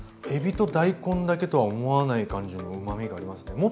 えびと大根だけとは思わない感じのうまみがありますね。